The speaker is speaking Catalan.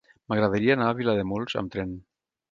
M'agradaria anar a Vilademuls amb tren.